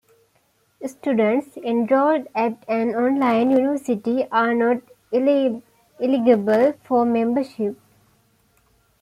Students enrolled at an online university are not eligible for membership.